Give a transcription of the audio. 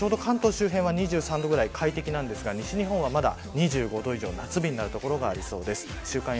ちょうど関東周辺は２３度ぐらい快適ですが、西日本は２５度以上夏日になる所がありそうです。